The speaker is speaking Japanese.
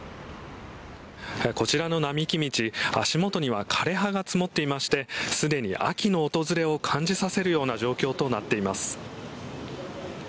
こちらの並木道足元には枯れ葉が積もっていましてすでに秋の訪れを感じさせるような状況となっています。